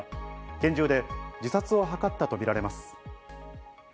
拳銃で自殺を図ったとみられます。